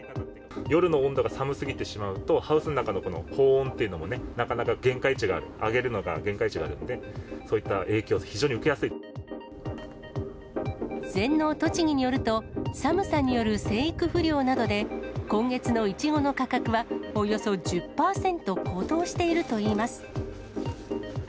夜の温度が寒すぎてしまうと、ハウスの中の保温というのも、なかなか限界値が、上げるのが、限界値があるんでね、そういった全農とちぎによると、寒さによる生育不良などで、今月のイチゴの価格は、およそ１０％高騰しているといいます。